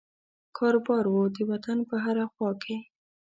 کاروبار وو د وطن په هره خوا کې.